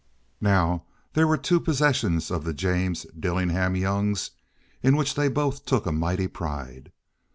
Now, there were two possessions of the James Dillingham Youngs in which they both took a mighty pride.